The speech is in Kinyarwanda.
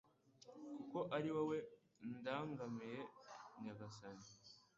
kuko ari wowe ndangamiye Nyagasani